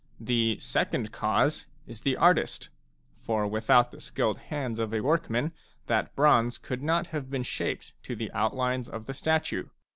The "second cause " is the artist ; for without the skilled hands of a workman that bronze could not have been shaped to the outlines of the statue.